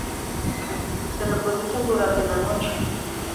Se reproducen durante la noche.